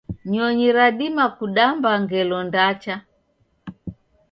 Nyonyi radima kudamba ngelo ndacha